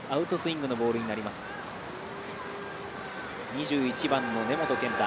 ２１番の根本佳太。